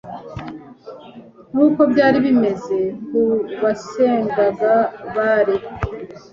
nkuko byari bimeze ku basengaga Bali